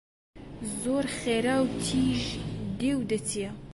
زۆر خێرا و تیژ دێ و دەچێ